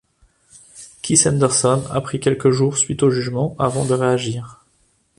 Keith Henderson a pris quelques jours suite au jugement avant de réagir.